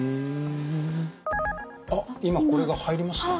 あっ今これが入りましたね。